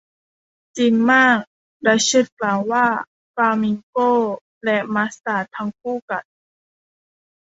'จริงมาก' ดัชเชสกล่าวว่า :'ฟลามิงโกและมัสตาร์ดทั้งคู่กัด'